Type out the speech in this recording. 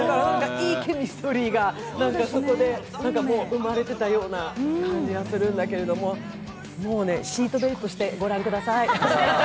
いいケミストリーがそこで生まれてたような感じがするんだけれども、もうね、シートベルトをしてご覧ください。